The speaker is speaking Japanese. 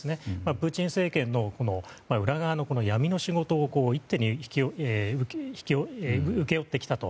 プーチン政権の裏側の闇の仕事を一手に請け負ってきたと。